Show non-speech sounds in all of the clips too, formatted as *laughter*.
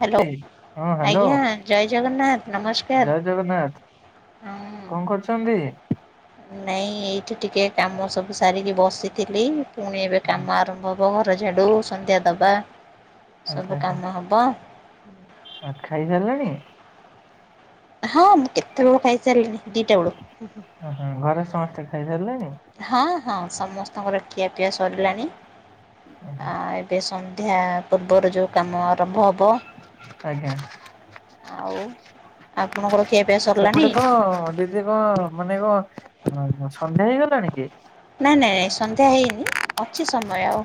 Hello ହଁ hello ଆଜ୍ଞା ଜୟ ଜଗନ୍ନାଥ ନମସ୍କାର। ଜୟ ଜଗନ୍ନାଥ। ହଁ କଣ କରୁଛନ୍ତି? ନାଇଁ ଏଇଠି ଟିକେ କାମ ସବୁ ସାରିକି ବସିଥିଲି, ପୁଣି ଏବେ କାମ ଆରମ୍ଭ ହବ ହବ ଘର ଝାଡ଼ୁ, ସନ୍ଧ୍ୟା ଦବା, ଆଚ୍ଛା ସବୁ ଆଚ୍ଛା କାମ ହବ ଆ ଖାଇ ସାରିଲେଣି? ହଁ ମୁଁ କେତବେଳୁ ଖାଇ ଚାଲିଲିଣି । ଓହୋ। ଘରେ ସମସ୍ତେ ଖାଇ ସାରିଲେଣି? ହଁ ହଁ ସମସ୍ତଙ୍କର ଖିଆପିଆ ସରିଲାଣି ଓହୋ ଆ ଏବେ ସନ୍ଧ୍ୟା ପୂର୍ବରୁ ଯୋଉ କାମ ଆରମ୍ଭ ହବ ଆଜ୍ଞା। ଆଉ ଆପଣଙ୍କର ଖିଆପିଆ ସରିଲାଣି ସେପଟେ ତ ଦିଦି କଣ ମାନେ କ ଓ ସନ୍ଧ୍ୟା ହେଇଗଲାଣି କି? ନାଇଁ ନାଇଁ ନାଇଁ ସନ୍ଧ୍ୟା ହେଇନି ଅଛି ସମୟ।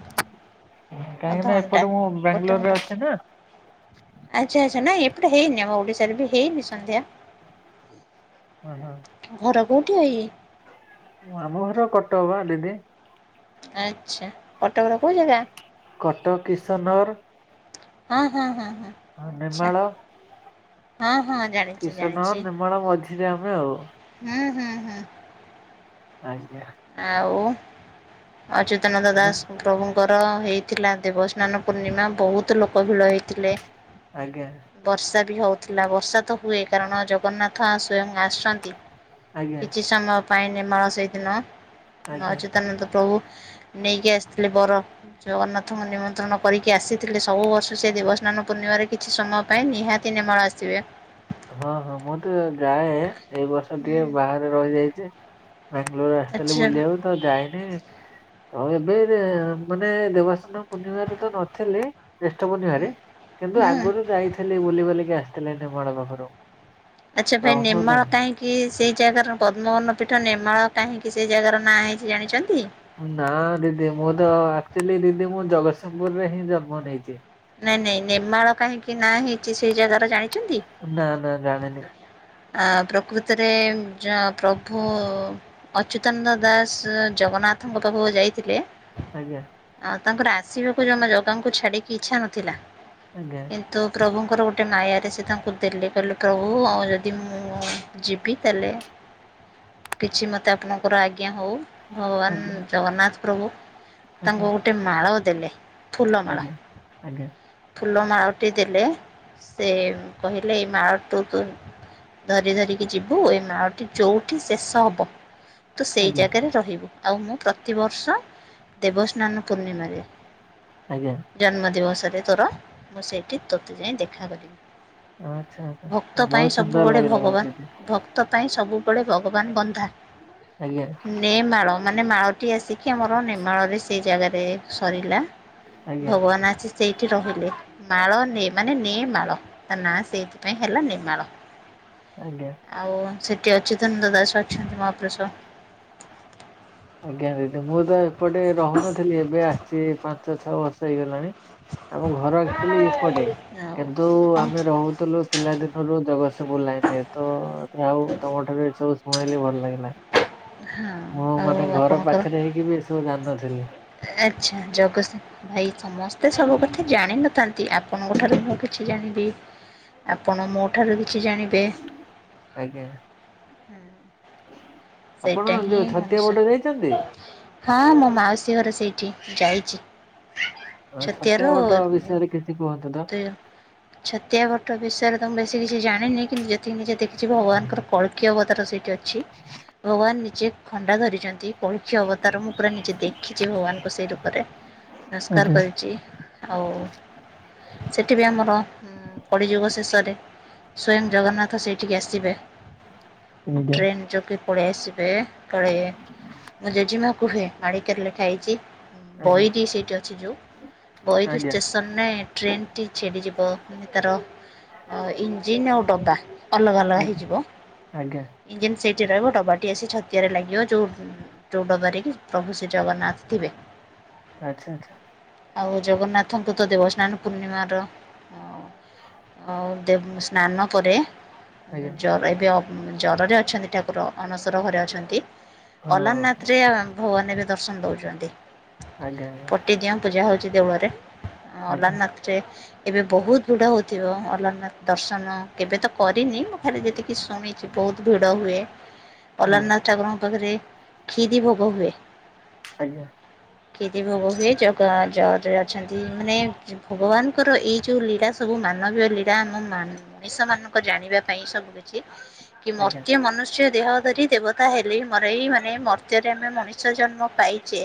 କାହିଁକି ନା ଅଧଘଣ୍ଟା ଏପଟେ ମୁଁ ଗୋଟେ ବାଙ୍ଗାଲୋରରେ ଘଣ୍ଟା ଅଛି ନା ଆଚ୍ଛା ଆଚ୍ଛା ନାଇ ଟେ ହେଇନି ଆମ ଓଡିଶାରେ ବି ହେଇନି ସନ୍ଧ୍ୟା। ହୁଁ ହୁଁ। କୋଉଠିକା ଇଏ ଆମ ଘର କଟକ ବା ଦିଦି। ଆଚ୍ଛା। କଟକର କୋଉ ଜାଗା? କଟକ କିିଶନ ନଗର। ହଁ ହଁ ହଁ । ହଁ ନିମାଳ। ହଁ ହଁ ଜାଣିଛି କିଶନ ଜାଣିଛି ନିର୍ମଳ ମଝିରେ ଆମେ ଆଉ। ହୁଁ ହୁଁ ହୁଁ। ଆଜ୍ଞା। ଆଉ ଅଚ୍ୟୁତାନନ୍ଦ ଦାସ ପ୍ରଭୁଙ୍କର ତ ହେଇଥିଲା ଦେବସ୍ନାନ ପୂର୍ଣ୍ଣିମା ବୋହୁତ ଲୋକ ଭିଡ଼ ହେଇଥିଲେ। ଆଜ୍ଞା। ବର୍ଷା ବି ହେଉଥିଲା ବର୍ଷା ତ ହୁଏ କାରଣ ଜଗନ୍ନାଥ ସ୍ଵୟଂ ଆସୁଛନ୍ତି, ଆଜ୍ଞା କିଛି ସମୟ ପାଇଁ ନିର୍ମଳ ସେଇଦିନ ଆଜ୍ଞା। ଅଚ୍ୟୁତାନନ୍ଦ ପ୍ରଭୁ ନେଇକି ଆସିଥିଲି ବର ଜଗନ୍ନାଥଙ୍କୁ ନିମନ୍ତ୍ରଣ କରିକି ଆସିଥିଲେ ସବୁ ବର୍ଷ ସେ ଦେବସ୍ନାନ ପୂର୍ଣ୍ଣିମାରେ କିଛି ସମୟ ପାଇଁ ନିହାତି ନିର୍ମଳ ଆସିିଥି ହଁ ହଁ ମୁଁ ତ ଯାଏ ଏଇ ବର୍ଷ ଟିକେ ହୁଁ ବାହାରେ ରହିଯାଇଚି। ବାଙ୍ଗାଲୋର ଆସିଲେ ଆଚ୍ଛା ହୁଁ ବୁଲିବାକୁ ତ ଯାଇନି। ଆଉ ଏବେ ମାନେ ଦେବସ୍ନାନ ପୂର୍ଣ୍ଣିମାରେ ତ ନଥିଲି। ଜ୍ୟେଷ୍ଠ ପୁର୍ଣିମାରେ କିନ୍ତୁ ହୁଁ ଆଗରୁ ଯାଇଥିଲି ବୁଲି ବାଲିକି ଆସିଥିଲେ ନିର୍ମଳ ପାଖରୁ। ଆଛା ଭାଇ ପ୍ରଭୁ ଦା ନିର୍ମାଳ କାହିଁକି ସେଇ ଜାଗାରେ ପଦ୍ମବନ ପୀଠ ନିର୍ମାଳ କାହିଁକି ସେ ଜାଗାର ନାଁ ହେଇଚି ଜାଣିଚନ୍ତି? ନା ଦିଦି ମୁଁ ତ ଆକଚାଲି ଦିଦି ମୁଁ ଜଗତସିଂହପୁରରେ ହିଁ ଜନ୍ମ ନେଇଚି। ନାଇଁ ନାଇଁ ନିର୍ମାଳ କାହିଁକି ନା ହେଇଚି ସେ ଜାଗାର ଜାଣି ନା ନା ଜାଣିନି। ଆ ପ୍ରକୃତରେ ପ୍ରଭୁ ଅଚ୍ୟୁତାନନ୍ଦ ଦାସ ଜଗନ୍ନାଥଙ୍କ ପାଖକୁ ଯାଇଥିଲେ? ଆଜ୍ଞା। ଆଉ ତାଙ୍କର ଆସିବାକୁ ଜମା ଜଗାଙ୍କୁ ଛାଡିକି ଇଚ୍ଛା ନଥିଲା ଆଜ୍ଞା କିନ୍ତୁ ପ୍ରଭୁ ତାଙ୍କର ଗୋଟେ ମାୟାରେ ସେ ତାଙ୍କୁ ଦେଲେ କହିଲେ ପ୍ରଭୁ ଯଦି ମୁଁ ଯିବି ତାଲେ କିଛି ମୋତେ ଆପଣଙ୍କର ଆଜ୍ଞା ହେଉ। ଆଜ୍ଞା ଭଗବାନ ଜଗନ୍ନାଥ ପ୍ରଭୁ। ତାଙ୍କୁ ଆଜ୍ଞା ଗୋଟେ ମାଳ ଦେଲେ ଫୁଲ ମାଳ। ଆଜ୍ଞା। ଆଜ୍ଞା ଫୁଲ ମାଳଟି ଦେଲେ ସେ କହିଲେ ଏଇ ମାଳ ଟୁ ତୁ ଧରି ଧରିକି ଯିବୁ ଏ ମାଳଟି ଯୋଉଠି ଶେଷ ହବ। ତୁ ସେଇ ଆଜ୍ଞା ଜାଗାରେ ରହିବୁ ଆଉ ମୁଁ ପ୍ରତିବର୍ଷ ଦେବସ୍ନାନ ପୂର୍ଣ୍ଣିମାରେ ଆଜ୍ଞା ଜନ୍ମ ଦିବସରେ ତୋର ମୁଁ ସେଇଠି ତୋତେ ଯାଇ ଦେଖା କରିବି। ଆଚ୍ଛା ଆଛା ହ ବହୁତ ସୁନ୍ଦର ମୁଁ ଗୋଟେ ଲାଗିଲା ଭଗବାନ ଦିଦି ଭକ୍ତ ପାଇଁ ସବୁବେଳେ ଭଗବାନ ବନ୍ଧା ଆଜ୍ଞା ନେ ମାଳ ମାନେ ମାଳଟି ଆସି କି ଆମର ନିର୍ମାଳରେ ସେଇ ଜାଗାରେ ସରିଲା। ଆଜ୍ଞା। ଭଗବାନ ଆସି ସେଇଠି ରହିଲେ। ମାଳ ନେ ମାନେ ନେ ମାଳ ତା ନା ସେଇଥିପାଇଁ ହେଲା ନିର୍ମାଳ। ଆଜ୍ଞା ଆଉ ସେ ଅଛି ଧନ ଦାଦା ସମାପଷ ଆଜ୍ଞା ଦିଦି ମୁଁ ଏବେ ଏପଟେ ରହୁନଥିଲି ଏବେ ଆସିଛି ପାଞ୍ଚ ଛଅ ବର୍ଷ ହେଇଗଲାଣି । ଆମ ଘର ଆକଚାଲି ଏପଟେ ଆଉ କିନ୍ତୁ କଣ ଆମେ ରହୁଥିଲୁ ପିଲାଦିନ ଜଗତସିଂପୁର ଲାଇନ ରେ ତ ଆଉ ତମ ଠାରୁ ଏ ସବୁ ଶୁଣିଲି ଭଲ ଲାଗିଲା । ହଁ। ମୁଁ ଆଉ ମାନେ ଘର ଆପଣଙ୍କର ପାଖରେ ହେଇକି ବି ଏସବୁ ଜାଣିନଥିଲି ଆଚ୍ଛା ଜଗସିଂଥ ଭାଇ ସମସ୍ତେ ସବୁ କଥା ଜାଣିନଥାନ୍ତି ଆପଣଙ୍କ ଠାରୁ ମୁଁ କିଛି ଜାଣିବି। ଆପଣ ମୋ ଠାରୁ କିଛି ଜାଣିବେ। ଆଜ୍ଞା। ଆପଣ ସେଇଟା ଯୋଉ ହିଁ ଛତିଆ ବଟ ମଣିଷ। ଯାଇଛନ୍ତି? ହଁ ମୋ ମାଉସୀ ଘର ସେଇଠି ଯାଇଛି। ଅ, ଛତିଆ ଛତିର ବଟ ବିଷୟରେ କିଛି କୁହନ୍ତୁ ତ ଦୁଇ ଛତଆ ପଟ ବସରେ ତ ସେ କିଛି ଜାଣିନି କିନ୍ତୁ ଯେତିକି ନିଜେ ଦେଖିଛି ଭଗବାନଙ୍କର କଳକୀୟ ଅବତାର ସେଇଠି ଅଛି। ଭଗବାନ ନିଜେ ଖଣ୍ଡା ଧରିଛନ୍ତି। ପରକ୍ଷ ଅବତାର ମୁଁ ପୁରା ନିଜେ ଦେଖିଛି ଭଗବାନଙ୍କୁ ସେଇ ରୂପରେ। ନମସ୍କାର ଆଜ୍ଞା କରିଛି ଆଉ ସେଠି ବି ଆମର ପଡ଼ିଯୁଗ ଶେଷରେ ସ୍ଵୟଂ ଜଗନ୍ନାଥ ସେଇଠିକି ଆସିବେ ଆଜ୍ଞା ଟ୍ରେନ୍ ଯୋଗେ ପଳେଇ ଆସିବେ କଳେ ମୁଁ ଜେଜେମା କୁହେ ମାଡ଼ିକର ଲ ଖାଇଛି। ଆଜ୍ଞା ବୋଇରି ସେଇଠି ଅଛି ଯେଉଁ ବୋଇର ଆଜ୍ଞା ଷ୍ଟେସନରେ ଟ୍ରେନ୍ଟି ଟି ଛିଡ଼ିଯିବ ମାନେ ତାର ଇଞ୍ଜିନ୍ ଆଉ ଡବା। ଅଲଗା ଅଲଗା ଆଜ୍ଞା ହେଇଯିବ ଆଜ୍ଞା ଇଞ୍ଜିନ୍ ସେଇଟି ରହିବ। ଡବାଟି ଆସି ଛତିଆରେ ଲାଗିବ ଯେଉ ଯଉ ଡବାରେ କି ପ୍ରଭୁ ଶ୍ରୀ ଜଗନ୍ନାଥ ଥିବେ। ଆଚ୍ଛା ଆଛା। ଆଉ ଜଗନ୍ନାଥଙ୍କୁ ତ ଦେବସ୍ନାନ ପୂର୍ଣ୍ଣିମାର ଆଉ ଦେ ସ୍ନାନ ପରେ ଆଜ୍ଞା ଜ ଏବେ ଜରରେ ଅଛନ୍ତି ଠାକୁର। ଅଣସର ଘରେ ଅଛନ୍ତି ଅଲାରନାଥ ହଁ ରେ ଭଗବାନ ଏବେ ଦର୍ଶନ ଦଉଛନ୍ତି। ଆଜ୍ଞା ପଟିଦିଅ ପୂଜା ହଉଛି ଦେଉଳରେ ଆଜ୍ଞା ଆଜ୍ଞା ଅଲାରନାଥରେ ଏବେ ବହୁତ ଭୃଡ ହଉଥିବ ଅଲନାଥ ଦର୍ଶନ କେବେ ତ କରିନି ମୁୋ ଖରେ ଯେତିକି ଶୁଣିଛି ବହୁତ ଭିଡ ହୁଏ। ଅଲାରନାଥ ଠକୁରଙ୍କ ପାଖରେ କ୍ଷିରି ଭୋଗ ହୁଏ। ଆଜ୍ଞା। କେତେ ଭୋଗ ହୁଏ ଅଛନ୍ତି ମାନେ ଭଗବାନଙ୍କର ଏଇ ଯୋଉ ଲୀଳା ସବୁ ମାନବୀୟ ଲୀଳା ଆମ ମଣିଷ ମାନଙ୍କ ଜାଣିବା ପାଇଁ ସବୁ କିଛି କି ଆଜ୍ଞା। ମତ୍ୟ ମନୁଷ୍ୟ ଦେହ ଧରି ଦେବତା ହେଲେ ମରଇ ମାନେ ମୂର୍ତ୍ୟରେ ଆମେ ମଣିଷ ଜନ୍ମ ପାଇଛେ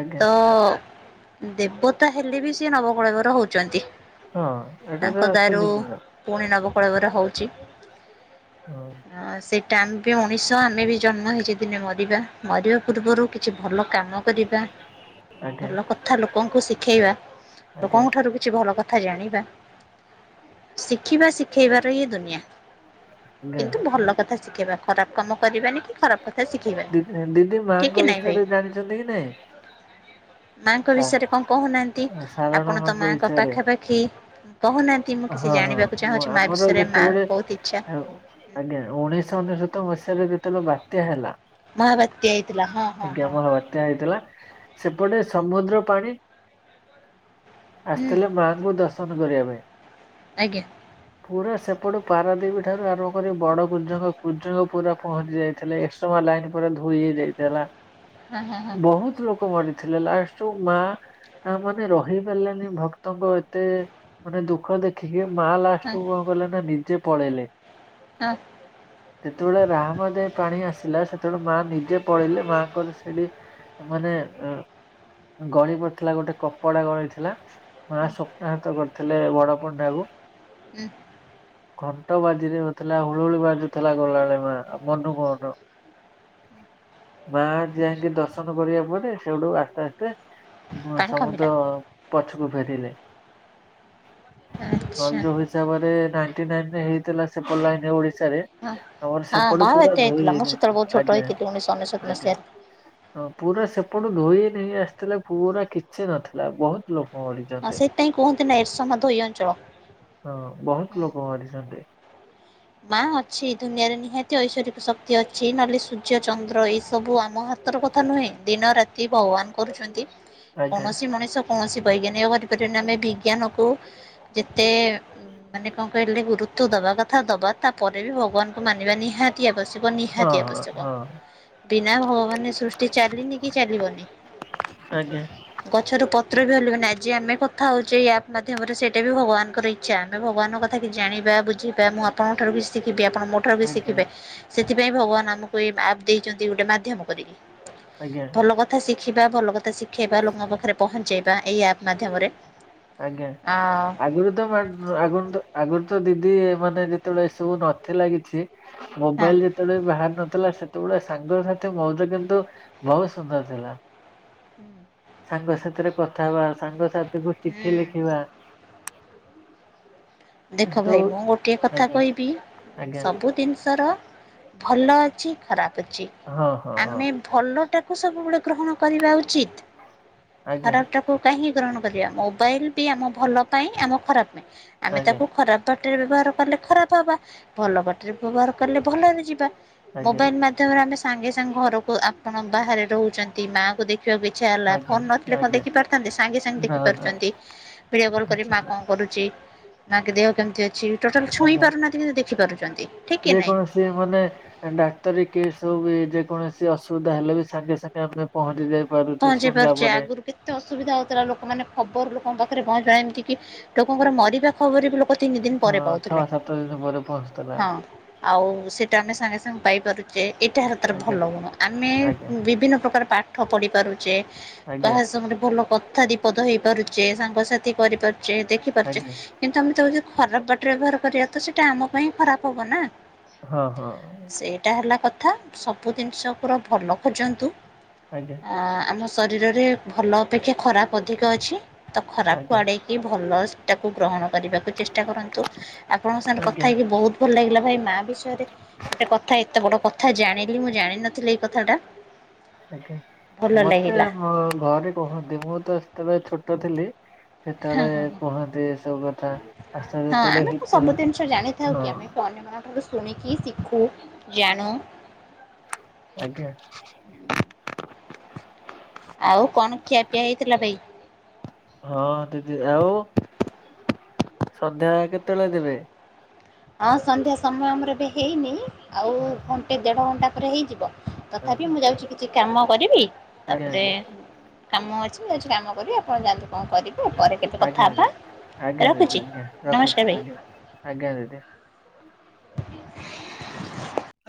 ଆଜ୍ଞା ତ ଦେବତା ହେଲେ ବି ସେିଏ ନବକଳବର ହଉଛନ୍ତି। ହଁ ଏଇଟା ତାଙ୍କ ତ ଦାରୁ ସୁନିଶ୍ଚିତ ପୁଣି ନବ ଳବରେ ହେଛି ହଁ ସେଟା ଏବେ ମଣିଷ ଆମେ ବି ଜନ୍ମ ହେଇଛ ଦିନେ ମରିବା ମରିବା ପୂର୍ବରୁ କିଛି ଭଲ କାମ କରିବା ଆଜ୍ଞା ଭଲ କଥା ଲୋକଙ୍କୁ ଶିଖେଇବା ଆଜ୍ଞା ଲୋକଙ୍କ ଠାରୁ କିଛି ଭଲ କଥା କଥା ଜାଣିବା ଶିଖିବା ଶିଖେଇବାର ଇଏ ଦୁନିଆ ଆଜ୍ଞା କିନ୍ତୁ ଭଲ କଥା ଶିଖେଇବା ଖରାପ କାମ କରିବାନି କି ଖରାପ କଥା ଶିଖେଇବା ଦିଦି ଠିକ କି ମାଆଙ୍କ ନାଇଁ ଭାଇ ବିଷୟରେ ଜାଣିଛନ୍ତି କି ନାଇଁ? ମାଙ୍କ ସା ବିଷୟରେ କଣ କହୁନାହାନ୍ତି ସାରଳା ଆପଣ ତ ମାଙ୍କ ବିଷୟରେ ପାଖା ପାଖି। ହଁ ହଁ ମୁ ଆମର ବିଷୟରେ ମା ଯେତେବେଳେ ବହୁତ ଇଚ୍ଛା ଆଜ୍ଞା ଉଣେଇଶହ ଅନେଶତ ମସିହା *unintelligible* ଆଜ୍ଞା ମହାବାତ୍ୟା ହେଇଥିଲା ହଁ ହଁ ହଁ ମହା ବାତ୍ୟା ହେଇଥିଲା ସେପଟେ ହୁଁ ସମୁଦ୍ର ପାଣି ହୁଁ ଆସିଥିଲେ ମାଆଙ୍କୁ ଦର୍ଶନ କରିବା ପାଇଁ ଆଜ୍ଞା। ପୁରା ସେପଟୁ ପାରାଦୀପୀ ଠାରୁ ଆରମ୍ଭ କରି ବଡ କୁଜ କୁଜଙ୍ଗ ପୁରା ପହଞ୍ଚି ଯାଇଥିଲେ ଏକ ସମୟ ଧୋଇ ହେଇ ଯାଇଥିଲା ହଁ ହଁ ହଁ ବହୁତ ଲୋକ ମରିଥିଲେ ଲାଷ୍ଟରୁ ମା ଆ ମାନେ ରହି ପାରିଲାନି ଭକ୍ତଙ୍କ ଏତେ ମାନେ ଦୁଃଖ ଦେଖ ସିଏ ମା ଲାଷ୍ଟ ହଁ କୁ କଣ କଲେ ନା ନିଜେ ପଳେଇଲେ। ହଁ ସେତେବେଳେ ରାହା ମ ପାଣି ଆସିଲ ସେ ତେବେୁ ମା ନିଜେ ପଳେଇଲେ ମା କହିଲ ସେଠି ମାନେ ଗଳି ପଡିଥିଲା ଗୋଟେ କପଡା ଗଳି ଥିଲା ମା ହୁଁ ସ୍ୱପ୍ନ ହାତ କରିଥିଲେ ବଡ ପଣ୍ଡାକୁ ହୁଁ ଘଣ୍ଟ ବାାର ରେ ନଥିଲା ହୁଳୁଳି ବାଜଥିଲା ଗଲାଣି ମା ମନୁ କହ ମା ଯାଇକି ଦର୍ଶନ କରିବାକୁ ପେ ସେଗଠକୁ ଆସ୍ତେ ପାଣି କମିଲା ସମୁଦ୍ର ପଛକୁ ଫେରିଲେ ଆଚ୍ଛା ଯୋଉ ହିସାବରେ ନାଇ ନାଇ ହେଇଥିଲା ସେ ପଶ ରେ ହଁ ହଁ ଆମର ସେପଟୁ ପୁରା ମହାବାତ୍ୟା ଧୋଇ ହେଇଥିଲା ମୁଁ ସେତେବେଳେ ହେଇଯାଇଥିଲା ବହୁତ ଛୋଟ ଆଜ୍ଞା ହେଇଥିଲି ଉଣେଇଶହ ଅନେଶତ ଆଞା। ମସିହାରେ ହଁ ପୁରା ସେପଟୁ ଧୋଇ ନେଇ ଆସିଥିଲା ପୁରା କିଛି ନଥିଲା ବହୁତ ଲୋକ ହଁ ମରିଛନ୍ତି। ସେଇଥିପାଇଁ କୁହନ୍ତି ନା ଏର୍େ ହଁ ବହୁତ ଲ ମାରି ଜରେ ମା ଅଛି ଦୁନିଆରେ ନିହାତି ଐଶ୍ଵରିକ ଶକ୍ତି ଅଛି ନହେଲେ ସୂର୍ଯ୍ୟ ଚନ୍ଦ୍ର ଏଇ ସବୁ ଆମ ହାତ କଥା ନୁହେଁ ଦିନ ରାତି ଭଗବାନ କରୁଛନ୍ତି ଆଜ୍ଞା କୌଣସି ମଣିଷ କୌଣସି ବୈଜ୍ଞାନିକ ଅଧପତି ଆମେ ବିଜ୍ଞାନକୁ ଯେତେ ମାନେ କଣ କହିଲେ ଗୁରୁତଵ ଦବା କଥା ଦବା ତାପରେ ବି ଭଗବାନଙ୍କୁ ମାନିବା ନିହାତି ଆବଶ୍ୟ ହଁ ନିହାତିଆ ହଁ ପୁଶ୍ୟକ ହଁ ବିନା ଭଗବାନ ସୃଷ୍ଟି ଚାଲିନି କି ଚାଲିବନି ଆଜ୍ଞା। ଗଛର ପତ୍ର ବି ହଲିବନି। ଆ ଆମେ କଥା ହଉଛ ଏଇ ଆପ୍ ମାଧ୍ୟମରେ ସେଇଟା ବି ଭଗବାନଙ୍କର ଇଚ୍ଛା ଆମେ ଭବାନଙ୍କ କଥା କି ଜାଣିବା ବୁଝିବା ମୁଁ ଆପଣଙ୍କ ଠାରୁ ବି ଶିଖିବେ ଆପଣ ମୋ ାରୁ ଆଜ୍ଞା ଶିଖିବେ ସେଥିପାଇଁ ଭଗବାନ ଆମକୁ ଏ ଆପ୍ ଦେଇଛନ୍ତି ଗୋଟେ ମାଧ୍ୟମ କରିକି ଆଜ୍ଞା ଭଲ କଥା ଶିଖି ଶିଖିବା ଭଲ କଥା ଶିଖେଇବା ଲୋକଙ୍କ ପାଖରେ ପହଞ୍ଚେଇବା ଏହିଇ ଆପ୍ ମାଧ୍ୟମରେ ଆଜ୍ଞା ଆ ଆଗରୁ ତ ଆଗରୁ ତ ଆଗରୁ ତ ଦ ମାନେ ଯେତେବେଳେ ଏ ସବୁ ନଥିଲା କିଛି ହଁ ମୋବାଇଲ ଯେତେବେଳେ ବାହାରି ନଥିଲା ସେତେବେଆ ସାଙ୍ଗ ସାଥି ମଉଜ କିନ୍ତୁ ବହୁତ ସୁନ୍ଦର ଥିଲା। ସାଙ୍ଗ ସାଥିରେ କଥା ହବା ସାଙ୍ଗସଥି ଗୋଟି ଏଠି ହୁଁ ଲେଖିବା ଦେଖ କିନ୍ତୁ ଭାଇ ମୁଁ ଗୋଟିଏ କଥା ଆଜ୍ଞା କହିବି ଆଜ୍ଞା ସବୁ ଜିନିଷର ଭଲ ଅଛି ଖରାପ ଅଛି ହଁ ହଁ ହଁ ଆମେ ଭଲ ଟାକୁ ସବୁବେଳେ ଗ କରିବା ଉଚିତ ଆଜ୍ଞା ଖରାପାକୁ କ ଗ୍ର କରିବା ମୋବାଇଲ ବି ଆମ ଭଲ ପାଇଁ ଆମ ଖରାପ ପାଇଁ ଆମେ ଆଜ୍ଞା ତାକୁ ଖରାପ ବାଟରୀ ବ୍ୟବହାର କଲେ ଖରାପ ହବା ଭଲ ବାଟରେୀ ବ୍ୟବହାର କଲେ ଭଲରେ ଯିବା ଆଜ୍ଞା ମୋବାଇଲ ମାଧ୍ୟମରେ ଆମେ ସାଙ୍ଗେ ସାଙ୍ଗେ ଘରକୁ ଆପଣ ବାହାରେ ରହୁଛନ୍ତି ମା କ ଦେଖି ଦେଖକୁ ଇଛା ହେଲା ଆଜ୍ଞା କନ ନଥିଲେ କଣ ଆଜ୍ଞା ଦେଖି ପାରୁଥାେ ସାଙ୍ଗେ ସାଙ୍ଗେ ନା ନା ଦେଖିପାରୁଛନ୍ତି ଭିଡିଓ କଲ ମା ନିଶ୍ଚିତ କଣ କରୁ ନଙ୍କ ଦେହ କେମିତି ଅଛି ଟୋଟାଲ ଛୁଇଁ ଆଜ୍ଞା ପାରୁନାହାନ୍ତି କିନ୍ତୁ ଦେଖିପାରୁଛନ୍ତି ଠିକ୍ କି ଯେ ନାଇଁ। କୌଣସି ମାନେ ଡାକ୍ତରୀ କେ ହବ ଯେକୌଣସି ଅସୁବିଧା ହେଲେ ବି ସାଙ୍ଗେ ସାଙ୍ଗେ ଆମେ ପହଞ୍ଚିଯାଏ ପହଞ୍ଚି ପାରୁଛିେ ଆଗରୁ କେତେ ଅସୁବିଧା ହଉଥିଲା ଲୋକମାନୋନେ ଖବର ଲୋକଙ୍କ ପାଖରେ କଣ ଜଣ ଏମିତି କି ଲୋକଙ୍କର ମରିବା ଖବର ବି ଲ ଏକ ତିନି ଦିନ ହଁ ପରେ ଛଅ ପାଉଥିଲେ ସାତ ଦିନ ପରେ ପହଞ୍ଚିଥିଲା ହଁ ଆଉ ସେଇଟା ଆମେ ସାଙ୍ଗେ ସାଙ୍ଗେ ପାଇପାରୁଛୁ ଯେ ଏଇଟା ହାର ତର ଆଜ୍ଞା ଭଲ ଗୁଣ ଆମେ ଆଜ୍ଞା ବିଭିନ୍ନ ପ୍ରକାର ପାଠ ପଢ଼ିପାରୁଛେ ଆଜ୍ଞା କାହା ସାଙ୍ଗରେ ଭଲ କଥା ବିପଦ ହେଇ ପାରୁଛେ ସାଙ୍ଗସାଥି କରିପାରୁଛେ ଦେଖିପାରୁଛେ ଆଜ୍ଞା କିନ୍ତୁ ଆମେ ତାକୁ ଯଦି ଖରାପ ବାଟରେ ବ୍ୟବହାର କରିବା ତ ସେଇଟା ଆମ ପାଇଁ ଖରାପ ହବ ନା। ହଁ ହଁ ସେଇଟା ହେଲା କଥା ସବୁ ଜିନିଷ ପୁରା ଭଲ ଖୋଜନ୍ତୁ। ଆଜ୍ଞା ଆ ଆମ ଶରୀରରେ ଭଲ ଅପେକ୍ଷା ଖରାପ ଅଧିକ ଅଛି ତ ଖରାପକୁ ଆଜ୍ଞା ଆଡ଼େଇକି ଭଲଟାକୁ ଗ୍ରହଣ କରିବାକୁ ଚେଷ୍ଟା କରନ୍ତୁ ଆପଣଙ୍କ ସାଙ୍ଗରେ ଆଜ୍ଞା କଥା ହେଇକି ବହୁତ ଭଲ ଲାଗିଲା। ଭାଇ ମା ବିଷୟରେ ଗୋଟେ କଥା ଏତେ ବଡ କଥା ଜାଣିଲି ମୁଁ ଜାଣିନଥିଲି ଏଇ କଥା ଟା। ଆଜ୍ଞା ମତେ ମୋ ଘରେ କହନ୍ତି ମୁଁ ତ ସେତେବେଳେ ଛୋଟ ଥିଲି। ହଁ ସେତେବେଳେ ହଁ ହ କୁହନ୍ତି ଏ ସବୁ କଥା ଆଶା ହଁ ଯେତେବେଳେ ଆମେ ତ ହିତୁ ସବୁ ଜିନିଷ ଜାଣିଥାଉ ହଁ କି ଆମେ ଅନ୍ୟ ଶୁଣିକି ଶିଖୁ ଜାଣୁ ଆଜ୍ଞା। ଆଉ କଣ ଖିଆପିଆ ହେଇଥିଲା ଭାଇ? ହଁ ଦିଦି ଆଉ ସନ୍ଧ୍ୟା କେତେବେଳେ ଦେବେ? ହଁ ସନ୍ଧ୍ୟା ସମୟ ଆମର ଏବେ ହେଇନି ଆଉ ଘଣ୍ଟେ ଦେଢ ଘଣ୍ଟା ପରେ ହେଇଯିବ। ତଥାପି ଓହୋ ମୁଁ ଯାଉଛି କିଛି କାମ କରିବି ଆଜ୍ଞା ତାପରେ ଆଜ୍ଞା କାମ ଅଛି ମୁଁ ଅଛି କାମ କରିବି ଆପଣ ଯାଆନ୍ତୁ କଣ କରିବେ ପରେ କେବେ ଆଜ୍ଞା କଥା ଆଜ୍ଞା ହେବା ଆଜ୍ଞା ଦିଦି ରଖୁଛି ଆଜ୍ଞା ରଖୁଛି ନମସ୍କାର ଭାଇ। ଆଜ୍ଞା ଆଜ୍ଞା ଦିଦି। *inaudible*